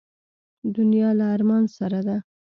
دنیا له ارمان سره ده.